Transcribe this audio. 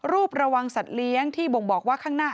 ระวังสัตว์เลี้ยงที่บ่งบอกว่าข้างหน้า